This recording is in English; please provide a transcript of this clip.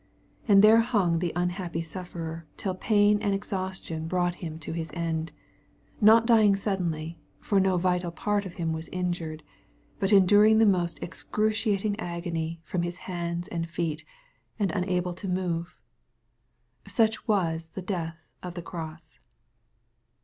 And there hung the unhappy sufferer till pain and ex haustion brought bim to his end, — not dying suddenly, for no vital part of him was injured, — ^but enduring the most excruciating agony from his bands and feet, and unable to move. Such was the death of the cross.